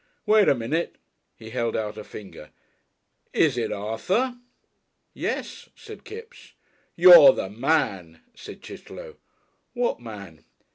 Wait a minute." He held out a finger. "Is it Arthur?" "Yes," said Kipps. "You're the man," said Chitterlow. "What man?"